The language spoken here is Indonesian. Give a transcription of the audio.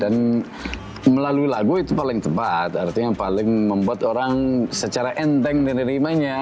dan melalui lagu itu paling tepat artinya paling membuat orang secara enteng menerimanya